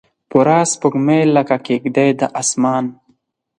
پوره سپوږمۍ لکه کیږدۍ د اسمان